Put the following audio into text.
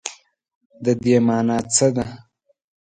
د دې مانا څه ده ؟